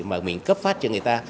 mà mình cấp phát cho người ta